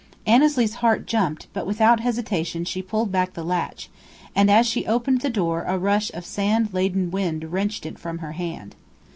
Annesley's heart jumped; but without hesitation she pulled back the latch, and as she opened the door a rush of sand laden wind wrenched it from her hand.